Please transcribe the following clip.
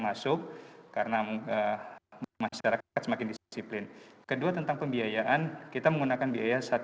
masuk karena masyarakat semakin disiplin kedua tentang pembiayaan kita menggunakan biaya saat